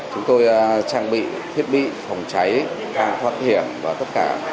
chúng tôi trang bị thiết bị phòng cháy thang thoát hiểm và tất cả